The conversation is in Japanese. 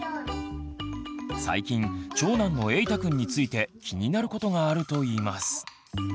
最近長男のえいたくんについて気になることがあるといいます。